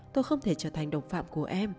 tôi không thể trở thành đồng phạm của em